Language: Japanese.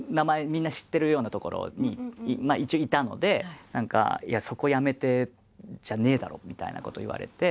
みんな知ってるようなところに一応いたのでそこを辞めてじゃねえだろみたいなこと言われて。